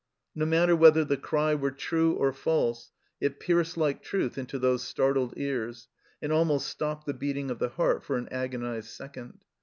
No matter whether the cry were true or false, it pierced like truth into those startled ears, and almost stopped the beating of the heart for an agonized second.